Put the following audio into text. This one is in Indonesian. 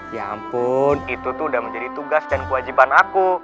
ya ampun itu tuh udah menjadi tugas dan kewajiban aku